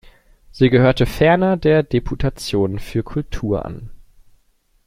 Sie gehörte ferner der Deputation für Kultur an.